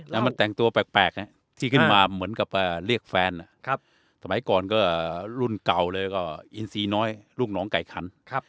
แล้วมันแต่งตัวแปลกที่ขึ้นมาเหมือนกับเรียกแฟนสมัยก่อนก็รุ่นเก่าเลยก็อินซีน้อยลูกหนองไก่คัน